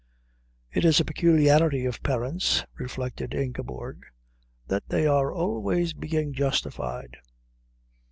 It is a peculiarity of parents, reflected Ingeborg, that they are always being justified.